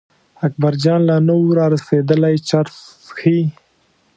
اکبرجان لا نه و را رسېدلی چرس څښي.